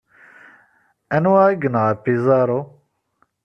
Anwa ay yenɣa Pizarro?